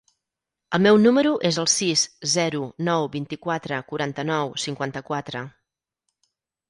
El meu número es el sis, zero, nou, vint-i-quatre, quaranta-nou, cinquanta-quatre.